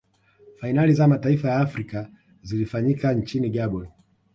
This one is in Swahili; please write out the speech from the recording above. fainali za mataifa ya afrika zilifanyika nchini gabon